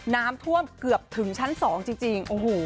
น้ำท่วมเกือบถึงชั้น๒จริง